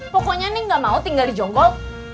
pokoknya nih gak mau tinggal di jongkol